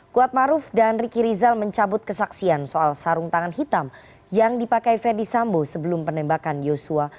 kuat maruf dan riki rizal mencabut kesaksian soal sarung tangan hitam yang dipakai ferdis sambo sebelum penembakan yosua